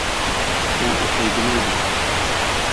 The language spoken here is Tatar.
Ул укый белми бит.